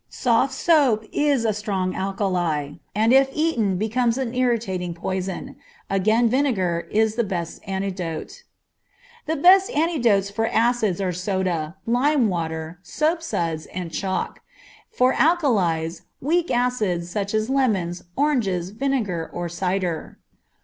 Soft soap is a strong alkali, and if eaten becomes an irritating poison. Again vinegar is the best antidote. The best antidotes for acids are soda, lime water, soap suds, and chalk; for alkalies, weak acids, such as lemons, oranges, vinegar, or cider.